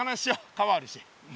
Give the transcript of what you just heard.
川あるし。